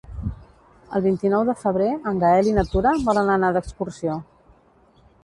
El vint-i-nou de febrer en Gaël i na Tura volen anar d'excursió.